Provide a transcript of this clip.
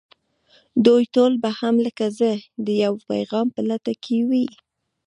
دوی ټول به هم لکه زه د يوه پيغام په لټه کې وي.